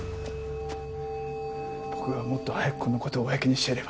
僕がもっと早くこの事を公にしていれば